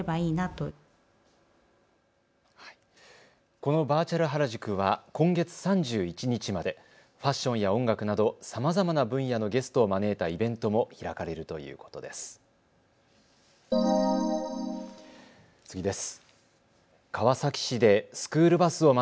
このバーチャル原宿は今月３１日までファッションや音楽などさまざまな分野のゲストを招いたイベントも開かれるということです。